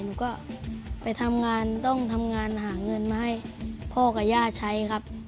หนูก็ไปทำงานต้องทำงานหาเงินมาให้พ่อกับย่าใช้ครับ